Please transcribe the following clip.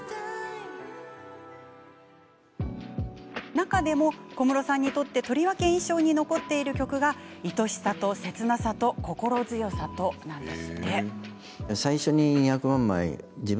中でも小室さんにとってとりわけ印象に残っている曲は「恋しさと切なさと心強さと」です。